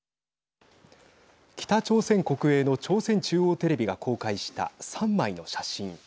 北朝鮮国営の朝鮮中央テレビが公開した３枚の写真。